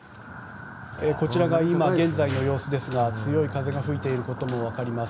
こちらが今現在の様子ですが強い風が吹いていることも分かります。